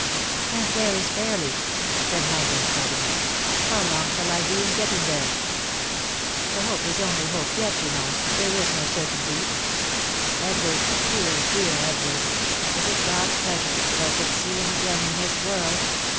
"And where is Fairly ?" said Michael, starting up. " How long shall I be in getting there ? The hope is only hope yet, you know — there is no certainty. Edward ! dear, dear, Edward ! Is it God's plea sure that I should see him again in this world